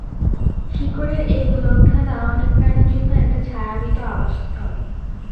শিকড়ের এই গোলকধাঁধা অনেক প্রাণীর জন্য একটা ছায়াবৃত আবাসস্থল।